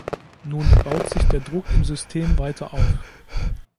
Nun baut sich der Druck im System weiter auf.